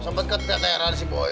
sampai keteteran si boy